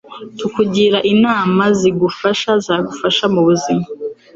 tukugira inama zigufasha zagufasha mubuzima .